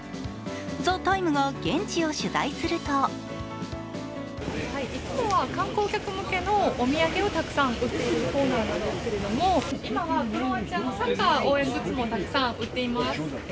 「ＴＨＥＴＩＭＥ，」が現地を取材するといつもは観光客向けのお土産をたくさん売っているコーナーなんですけども、今はクロアチアのサッカー応援グッズもたくさん売っています。